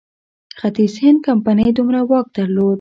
ختیځ هند کمپنۍ دومره واک درلود.